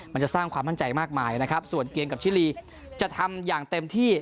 มันจะสร้างความมั่นใจมากมายนะครับส่วนเกมกับชิลีจะทำอย่างเต็มที่